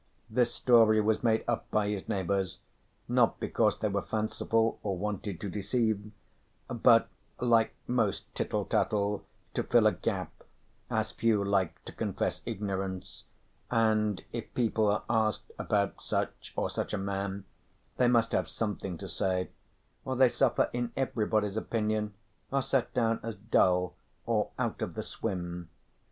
This story was made up by his neighbours not because they were fanciful or wanted to deceive, but like most tittle tattle to fill a gap, as few like to confess ignorance, and if people are asked about such or such a man they must have something to say, or they suffer in everybody's opinion, are set down as dull or "out of the swim."